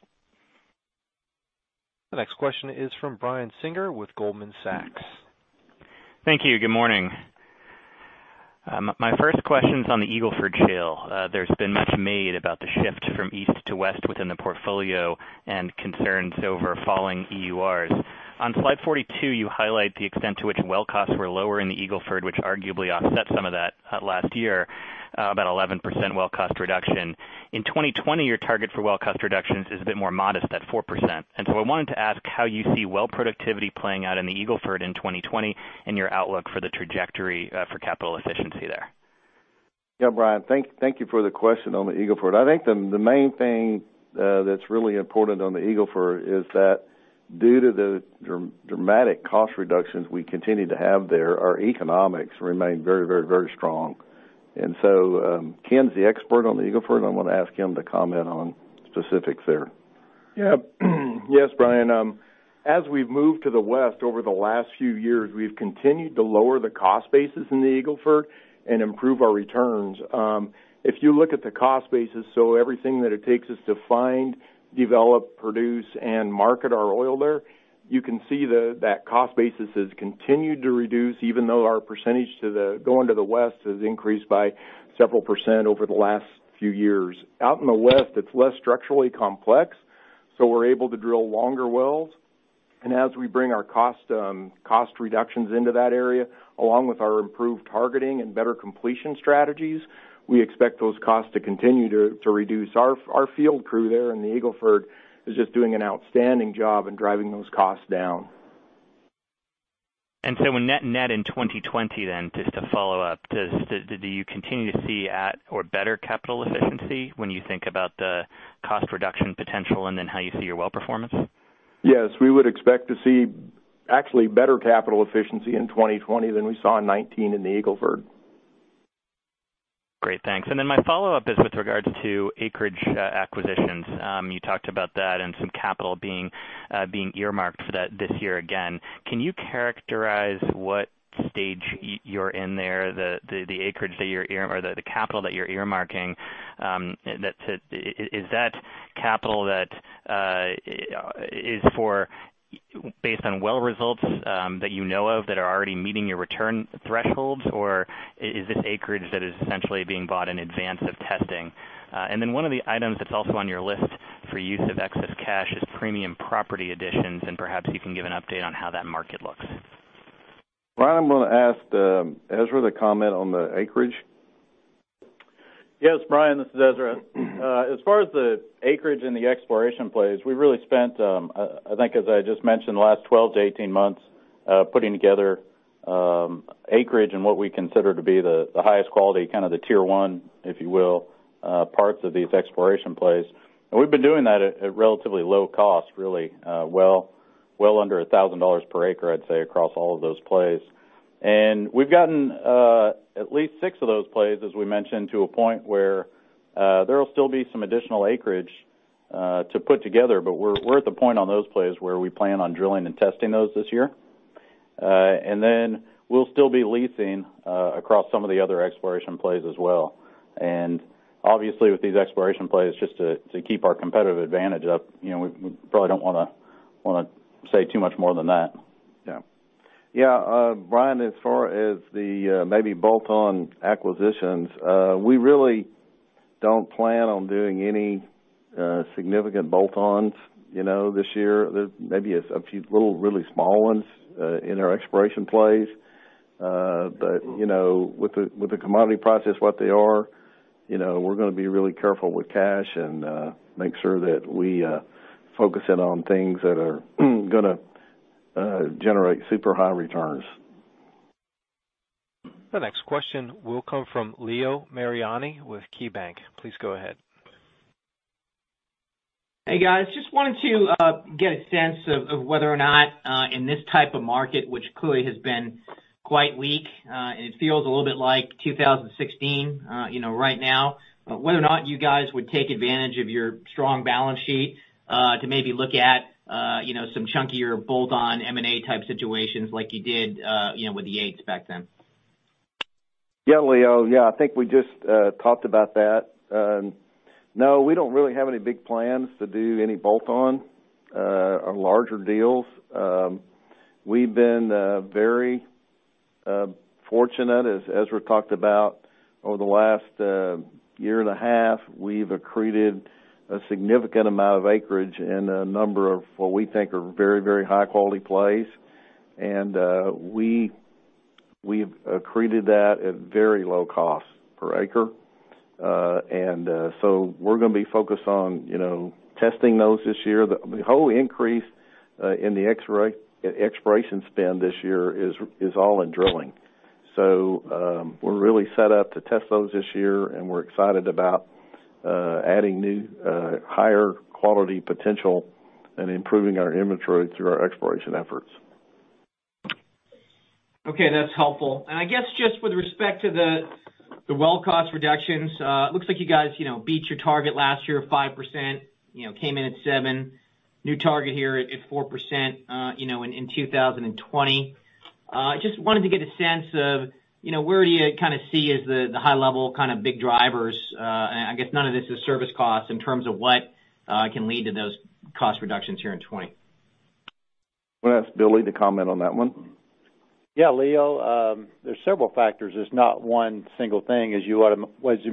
[SPEAKER 1] The next question is from Brian Singer with Goldman Sachs.
[SPEAKER 9] Thank you. Good morning. My first question's on the Eagle Ford Shale. There's been much made about the shift from east to west within the portfolio and concerns over falling EURs. On slide 42, you highlight the extent to which well costs were lower in the Eagle Ford, which arguably offset some of that last year, about 11% well cost reduction. In 2020, your target for well cost reductions is a bit more modest at 4%. I wanted to ask how you see well productivity playing out in the Eagle Ford in 2020 and your outlook for the trajectory for capital efficiency there.
[SPEAKER 3] Yeah. Brian, thank you for the question on the Eagle Ford. I think the main thing that's really important on the Eagle Ford is that due to the dramatic cost reductions we continue to have there, our economics remain very, very, very strong. Ken's the expert on the Eagle Ford, I'm going to ask him to comment on specifics there.
[SPEAKER 10] Yeah. Yes, Brian. As we've moved to the west over the last few years, we've continued to lower the cost basis in the Eagle Ford and improve our returns. If you look at the cost basis, so everything that it takes us to find, develop, produce, and market our oil there, you can see that cost basis has continued to reduce, even though our percentage going to the west has increased by several percent over the last few years. Out in the west, it's less structurally complex, so we're able to drill longer wells. As we bring our cost reductions into that area, along with our improved targeting and better completion strategies, we expect those costs to continue to reduce. Our field crew there in the Eagle Ford is just doing an outstanding job in driving those costs down.
[SPEAKER 9] Net in 2020 then, just to follow up, do you continue to see at or better capital efficiency when you think about the cost reduction potential and then how you see your well performance?
[SPEAKER 10] Yes, we would expect to see actually better capital efficiency in 2020 than we saw in 2019 in the Eagle Ford.
[SPEAKER 9] Great, thanks. My follow-up is with regards to acreage acquisitions. You talked about that and some capital being earmarked for that this year again. Can you characterize what stage you're in there, the capital that you're earmarking? Is that capital that is based on well results that you know of that are already meeting your return thresholds, or is this acreage that is essentially being bought in advance of testing? One of the items that's also on your list for use of excess cash is premium property additions, and perhaps you can give an update on how that market looks.
[SPEAKER 10] Brian, I'm going to ask Ezra to comment on the acreage.
[SPEAKER 6] Yes, Brian, this is Ezra. As far as the acreage in the exploration plays, we really spent, I think as I just mentioned, the last 12-18 months putting together acreage in what we consider to be the highest quality, the tier 1, if you will, parts of these exploration plays. We've been doing that at relatively low cost, really, well under $1,000 per acre, I'd say, across all of those plays. We've gotten at least six of those plays, as we mentioned, to a point where there'll still be some additional acreage to put together, but we're at the point on those plays where we plan on drilling and testing those this year. We'll still be leasing across some of the other exploration plays as well. Obviously, with these exploration plays, just to keep our competitive advantage up, we probably don't want to say too much more than that.
[SPEAKER 10] Yeah. Brian, as far as the maybe bolt-on acquisitions, we really don't plan on doing any significant bolt-ons this year. Maybe a few little, really small ones in our exploration plays. With the commodity prices what they are, we're going to be really careful with cash and make sure that we focus in on things that are going to generate super high returns.
[SPEAKER 1] The next question will come from Leo Mariani with KeyBanc. Please go ahead.
[SPEAKER 11] Hey, guys. Just wanted to get a sense of whether or not in this type of market, which clearly has been quite weak, and it feels a little bit like 2016 right now, whether or not you guys would take advantage of your strong balance sheet to maybe look at some chunkier bolt-on M&A type situations like you did with the Yates back then?
[SPEAKER 3] Yeah, Leo. I think we just talked about that. No, we don't really have any big plans to do any bolt-on or larger deals. We've been very fortunate, as Ezra talked about, over the last year and a half, we've accreted a significant amount of acreage in a number of what we think are very high-quality plays. We've accreted that at very low cost per acre. We're going to be focused on testing those this year. The whole increase in the exploration spend this year is all in drilling. We're really set up to test those this year, and we're excited about adding new, higher quality potential and improving our inventory through our exploration efforts.
[SPEAKER 11] Okay, that's helpful. I guess just with respect to the well cost reductions, looks like you guys beat your target last year of 5%, came in at 7%. New target here at 4% in 2020. Just wanted to get a sense of where do you see as the high-level big drivers, I guess none of this is service costs, in terms of what can lead to those cost reductions here in 2020?
[SPEAKER 3] I'm going to ask Billy to comment on that one.
[SPEAKER 4] Yeah, Leo, there's several factors. It's not one single thing, as you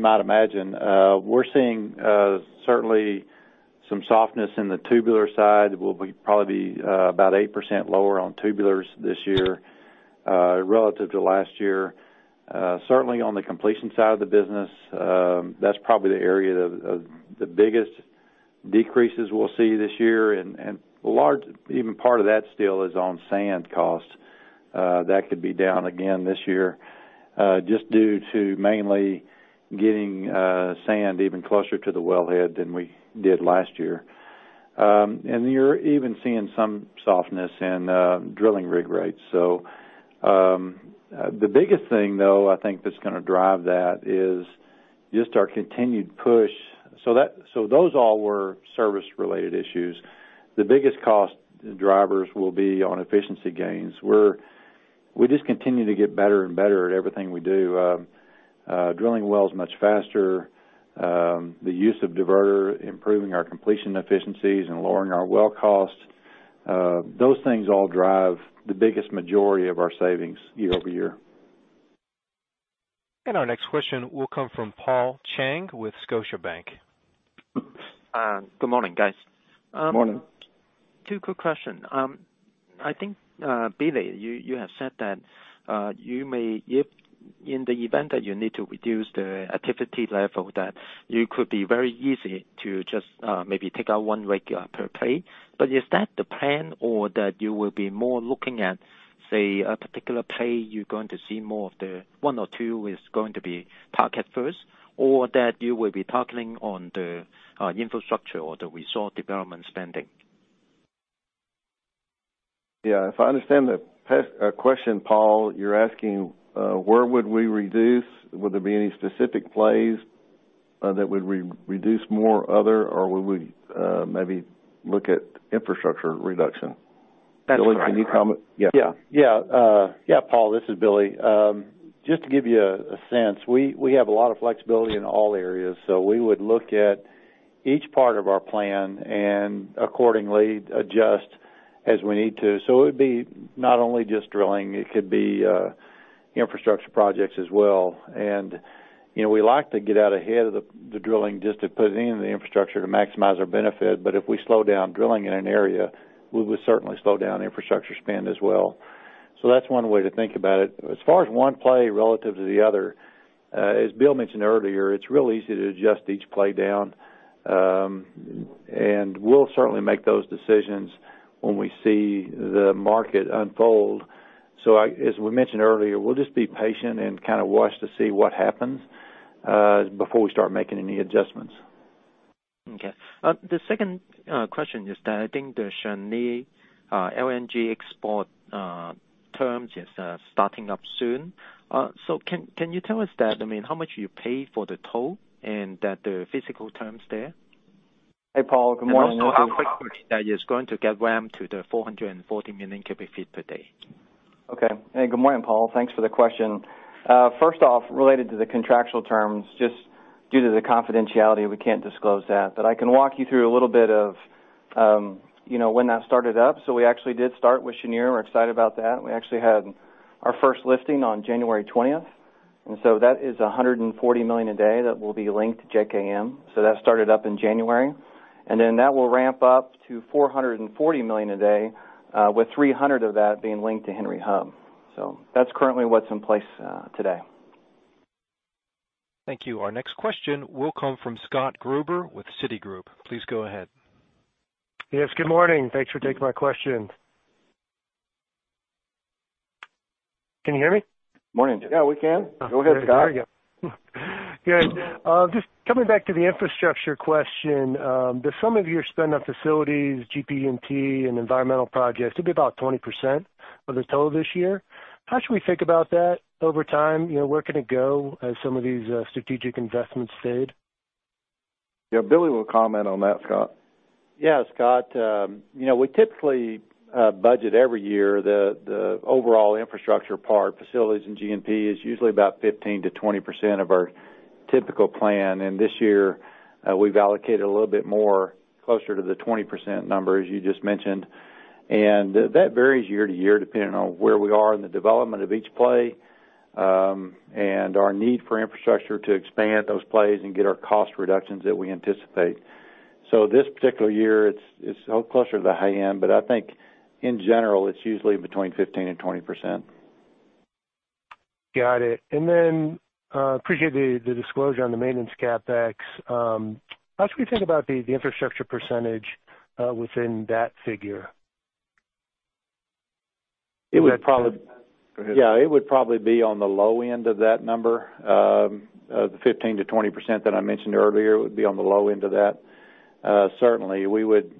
[SPEAKER 4] might imagine. We're seeing certainly some softness in the tubular side. We'll probably be about 8% lower on tubulars this year relative to last year. Certainly on the completion side of the business, that's probably the area of the biggest decreases we'll see this year, and even part of that still is on sand costs. That could be down again this year just due to mainly getting sand even closer to the wellhead than we did last year. You're even seeing some softness in drilling rig rates. The biggest thing, though, I think that's going to drive that is just our continued push. Those all were service-related issues. The biggest cost drivers will be on efficiency gains, where we just continue to get better and better at everything we do. Drilling wells much faster, the use of diverter, improving our completion efficiencies, and lowering our well costs. Those things all drive the biggest majority of our savings year-over-year.
[SPEAKER 1] Our next question will come from Paul Cheng with Scotiabank.
[SPEAKER 12] Good morning, guys.
[SPEAKER 3] Morning.
[SPEAKER 12] Two quick questions. I think, Billy, you have said that in the event that you need to reduce the activity level, that you could be very easy to just maybe take out one rig per play. Is that the plan or that you will be more looking at, say, a particular play, you're going to see more of the one or two is going to be target first, or that you will be targeting on the infrastructure or the resource development spending?
[SPEAKER 3] Yeah. If I understand the question, Paul, you're asking where would we reduce? Would there be any specific plays that would reduce more other or we would maybe look at infrastructure reduction.
[SPEAKER 12] That's correct.
[SPEAKER 3] Billy, can you comment? Yeah.
[SPEAKER 4] Yeah. Paul, this is Billy. Just to give you a sense, we have a lot of flexibility in all areas. We would look at each part of our plan and accordingly adjust as we need to. It would be not only just drilling, it could be infrastructure projects as well. We like to get out ahead of the drilling just to put in the infrastructure to maximize our benefit. If we slow down drilling in an area, we would certainly slow down infrastructure spend as well. That's one way to think about it. As far as one play relative to the other, as Bill mentioned earlier, it's real easy to adjust each play down. We'll certainly make those decisions when we see the market unfold. As we mentioned earlier, we'll just be patient and kind of watch to see what happens before we start making any adjustments.
[SPEAKER 12] Okay. The second question is that I think the Cheniere LNG export terms is starting up soon. Can you tell us that, how much you pay for the toll and the physical terms there?
[SPEAKER 13] Hey, Paul, good morning.
[SPEAKER 12] Also how quickly that is going to get ramped to the 440 million cubic feet per day.
[SPEAKER 13] Good morning, Paul. Thanks for the question. Related to the contractual terms, just due to the confidentiality, we can't disclose that. I can walk you through a little bit of when that started up. We actually did start with Cheniere. We're excited about that. We actually had our first lifting on January 20th, that is 140 million a day that will be linked to JKM. That started up in January, that will ramp up to 440 million a day, with 300 of that being linked to Henry Hub. That's currently what's in place today.
[SPEAKER 1] Thank you. Our next question will come from Scott Gruber with Citigroup. Please go ahead.
[SPEAKER 14] Yes, good morning. Thanks for taking my question. Can you hear me?
[SPEAKER 3] Morning.
[SPEAKER 4] Yeah, we can. Go ahead, Scott.
[SPEAKER 14] There we go. Good. Just coming back to the infrastructure question. Does some of your spend on facilities, GP&T, and environmental projects, it'll be about 20% of the total this year. How should we think about that over time? Where can it go as some of these strategic investments fade?
[SPEAKER 3] Yeah, Billy will comment on that, Scott.
[SPEAKER 4] Yeah, Scott. We typically budget every year the overall infrastructure part, facilities and GP&T is usually about 15%-20% of our typical plan. This year, we've allocated a little bit more, closer to the 20% number as you just mentioned. That varies year to year, depending on where we are in the development of each play, and our need for infrastructure to expand those plays and get our cost reductions that we anticipate. This particular year, it's closer to the high end, but I think in general, it's usually between 15% and 20%.
[SPEAKER 14] Got it. Appreciate the disclosure on the maintenance CapEx. How should we think about the infrastructure percentage within that figure?
[SPEAKER 4] It would probably.
[SPEAKER 3] Go ahead.
[SPEAKER 4] Yeah. It would probably be on the low end of that number, of the 15%-20% that I mentioned earlier, it would be on the low end of that. Certainly, we would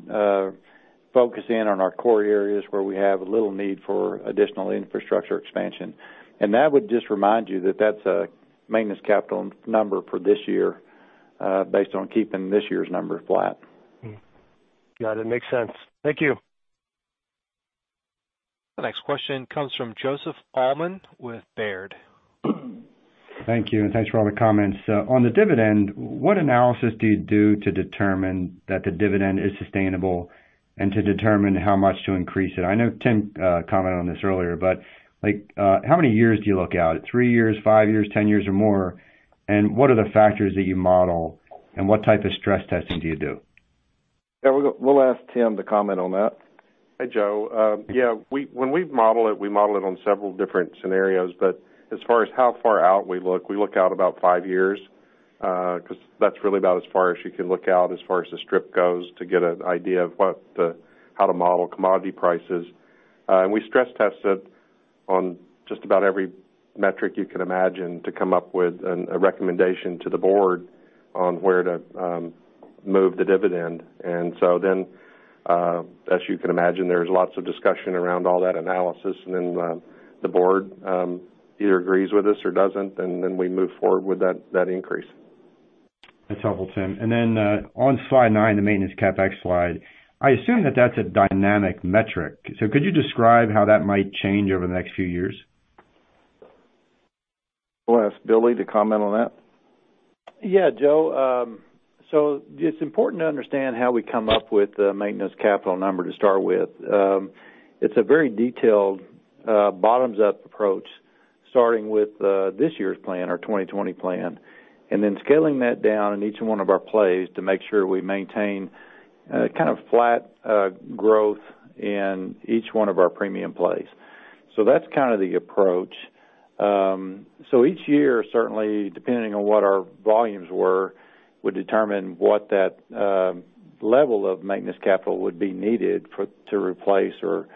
[SPEAKER 4] focus in on our core areas where we have a little need for additional infrastructure expansion. That would just remind you that that's a maintenance capital number for this year, based on keeping this year's number flat.
[SPEAKER 14] Got it. Makes sense. Thank you.
[SPEAKER 1] The next question comes from Joseph Allman with Baird.
[SPEAKER 15] Thank you. Thanks for all the comments. On the dividend, what analysis do you do to determine that the dividend is sustainable and to determine how much to increase it? I know Tim commented on this earlier. How many years do you look out? At three years, five years, 10 years, or more? What are the factors that you model, and what type of stress testing do you do?
[SPEAKER 3] Yeah, we'll ask Tim to comment on that.
[SPEAKER 2] Hey, Joe. Yeah. When we model it, we model it on several different scenarios, but as far as how far out we look, we look out about five years, because that's really about as far as you can look out, as far as the strip goes, to get an idea of how to model commodity prices. We stress test it on just about every metric you can imagine to come up with a recommendation to the board on where to move the dividend. As you can imagine, there's lots of discussion around all that analysis, and then the board either agrees with us or doesn't, and then we move forward with that increase.
[SPEAKER 15] That's helpful, Tim. On slide nine, the maintenance CapEx slide, I assume that's a dynamic metric. Could you describe how that might change over the next few years?
[SPEAKER 3] We'll ask Billy to comment on that.
[SPEAKER 4] Joe, it's important to understand how we come up with the maintenance capital number to start with. It's a very detailed bottoms-up approach, starting with this year's plan, our 2020 plan, and then scaling that down in each one of our plays to make sure we maintain a kind of flat growth in each one of our premium plays. That's kind of the approach. Each year, certainly depending on what our volumes were, would determine what that level of maintenance capital would be needed to replace or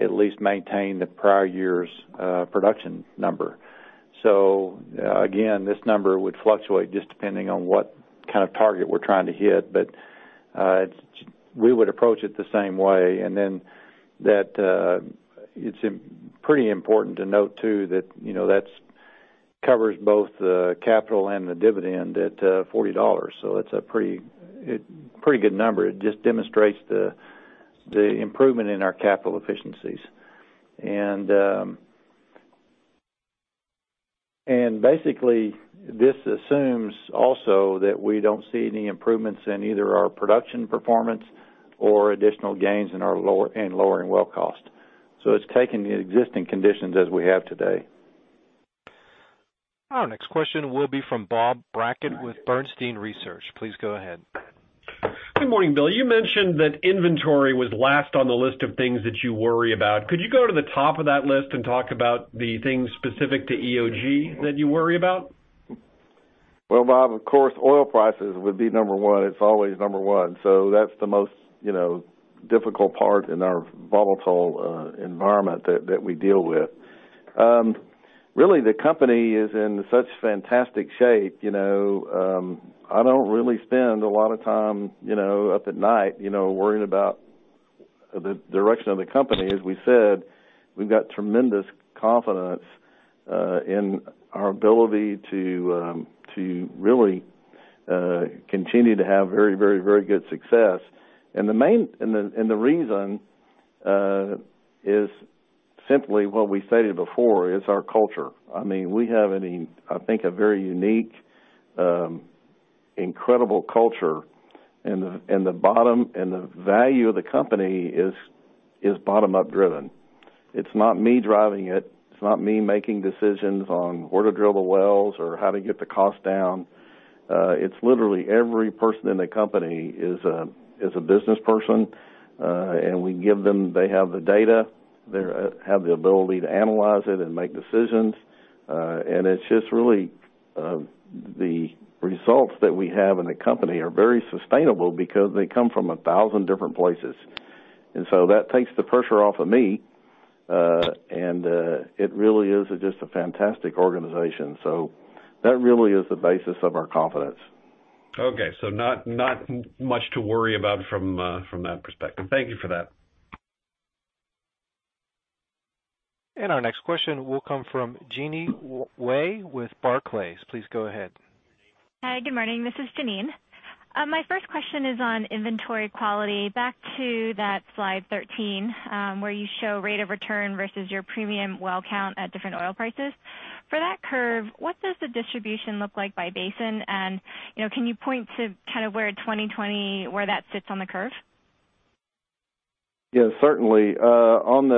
[SPEAKER 4] at least maintain the prior year's production number. Again, this number would fluctuate just depending on what kind of target we're trying to hit. We would approach it the same way, it's pretty important to note too, that covers both the capital and the dividend at $40. It's a pretty good number. It just demonstrates the improvement in our capital efficiencies. Basically, this assumes also that we don't see any improvements in either our production performance or additional gains in lowering well cost. It's taking the existing conditions as we have today.
[SPEAKER 1] Our next question will be from Bob Brackett with Bernstein Research. Please go ahead.
[SPEAKER 16] Good morning, Bill. You mentioned that inventory was last on the list of things that you worry about. Could you go to the top of that list and talk about the things specific to EOG that you worry about?
[SPEAKER 3] Bob, of course, oil prices would be number one. It's always number one. That's the most difficult part in our volatile environment that we deal with. Really, the company is in such fantastic shape, I don't really spend a lot of time up at night worrying about the direction of the company. As we said, we've got tremendous confidence in our ability to really continue to have very good success. The reason is simply what we stated before, is our culture. I mean, we have, I think, a very unique, incredible culture, and the value of the company is bottom-up driven. It's not me driving it. It's not me making decisions on where to drill the wells or how to get the cost down. It's literally every person in the company is a business person, and they have the data. They have the ability to analyze it and make decisions. It's just really the results that we have in the company are very sustainable because they come from a thousand different places. That takes the pressure off of me, and it really is just a fantastic organization. That really is the basis of our confidence.
[SPEAKER 16] Okay, not much to worry about from that perspective. Thank you for that.
[SPEAKER 1] Our next question will come from Jeanine Wai with Barclays. Please go ahead.
[SPEAKER 17] Hi. Good morning. This is Jeanine. My first question is on inventory quality. Back to that slide 13, where you show rate of return versus your premium well count at different oil prices. For that curve, what does the distribution look like by basin? Can you point to where 2020 sits on the curve?
[SPEAKER 3] Yes, certainly. On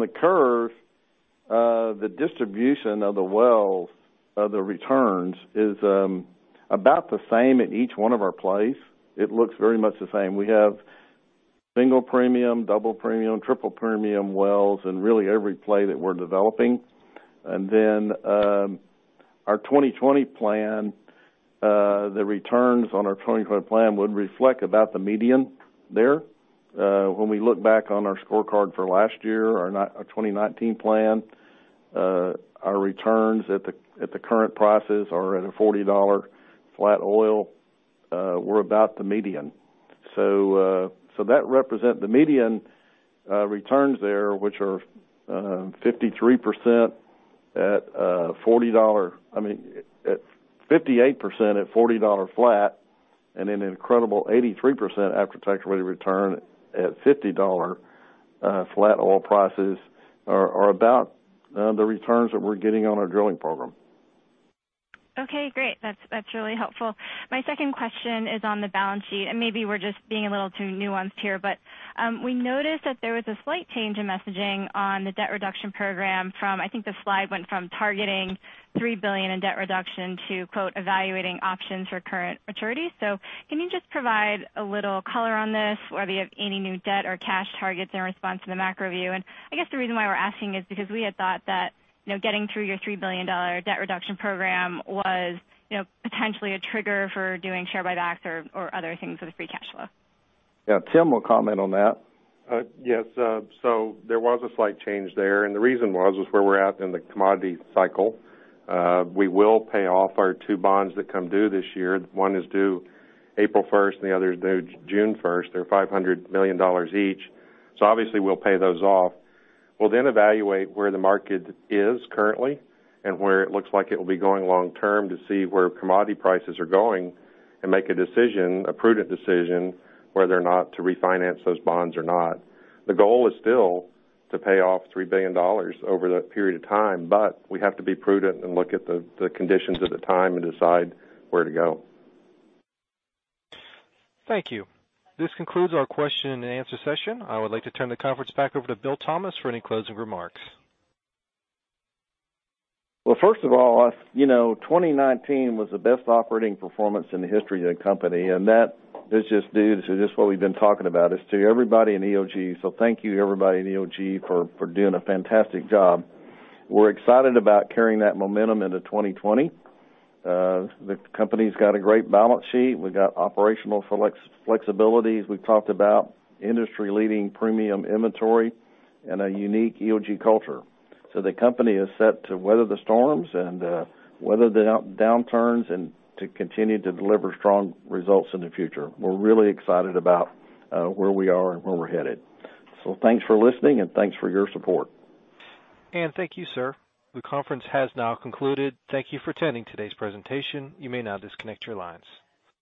[SPEAKER 3] the curve, the distribution of the wells, of the returns, is about the same at each one of our plays. It looks very much the same. We have single premium, double premium, triple premium wells in really every play that we're developing. Our 2020 plan, the returns on our 2020 plan would reflect about the median there. When we look back on our scorecard for last year, our 2019 plan, our returns at the current prices are at a $40 flat oil, we're about the median. That represent the median returns there, which are 58% at $40 flat, and an incredible 83% after-tax rate of return at $50 flat oil prices are about the returns that we're getting on our drilling program.
[SPEAKER 17] Okay, great. That's really helpful. My second question is on the balance sheet, and maybe we're just being a little too nuanced here, but we noticed that there was a slight change in messaging on the debt reduction program from, I think the slide went from targeting $3 billion in debt reduction to "evaluating options for current maturity." Can you just provide a little color on this, whether you have any new debt or cash targets in response to the macro view? I guess the reason why we're asking is because we had thought that getting through your $3 billion debt reduction program was potentially a trigger for doing share buybacks or other things with the free cash flow.
[SPEAKER 3] Yeah, Tim will comment on that.
[SPEAKER 2] Yes. There was a slight change there, and the reason was is where we're at in the commodity cycle. We will pay off our two bonds that come due this year. One is due April 1st, and the other is due June 1st. They're $500 million each. Obviously we'll pay those off. We'll evaluate where the market is currently and where it looks like it will be going long term to see where commodity prices are going and make a decision, a prudent decision, whether or not to refinance those bonds or not. The goal is still to pay off $3 billion over that period of time, we have to be prudent and look at the conditions at the time and decide where to go.
[SPEAKER 1] Thank you. This concludes our question-and-answer session. I would like to turn the conference back over to Bill Thomas for any closing remarks.
[SPEAKER 3] First of all, 2019 was the best operating performance in the history of the company, and that is just due to just what we've been talking about, is to everybody in EOG. Thank you, everybody in EOG, for doing a fantastic job. We're excited about carrying that momentum into 2020. The company's got a great balance sheet. We've got operational flexibilities. We've talked about industry-leading premium inventory and a unique EOG culture. The company is set to weather the storms and weather the downturns and to continue to deliver strong results in the future. We're really excited about where we are and where we're headed. Thanks for listening and thanks for your support.
[SPEAKER 1] Thank you, sir. The conference has now concluded. Thank you for attending today's presentation. You may now disconnect your lines.